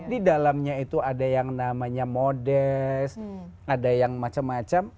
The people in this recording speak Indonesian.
di dalamnya itu ada yang namanya modest ada yang macam macam